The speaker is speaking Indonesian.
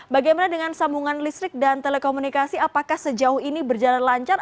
bagaimana dengan sambungan listrik dan telekomunikasi apakah sejauh ini berjalan lancar